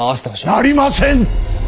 なりません！